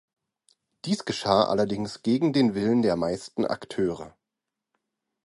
Dies geschah allerdings gegen den Willen der meisten Akteure.